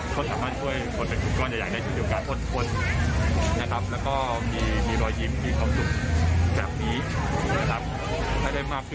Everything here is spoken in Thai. จะรับตอบทั่วความฝากเหตุการณ์นี้ได้ผ่านไปได้ด้วยดี